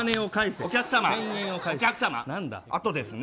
お客様あとですね。